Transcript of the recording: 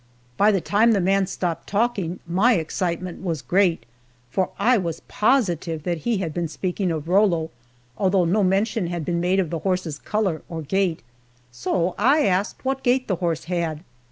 By the time the man stopped talking, my excitement was great, for I was positive that he had been speaking of Rollo, although no mention had been made of the horse's color or gait. So I asked what gait the horse had.